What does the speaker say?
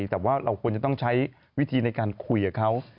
แต่ว่าเราควรจะต้องใช้วิธีในการคุยกับเขา